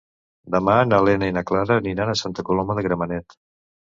Demà na Lena i na Clara aniran a Santa Coloma de Gramenet.